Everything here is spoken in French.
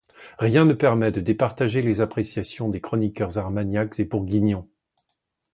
Rien ne permet de départager les appréciations des chroniqueurs Armagnacs et Bourguignons.